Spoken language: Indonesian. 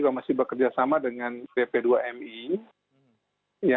homer disseka perumahan program jawa indonesia